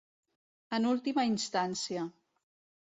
En última instància.